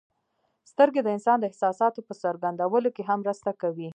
سترګې د انسان د احساساتو په څرګندولو کې هم مرسته کوي.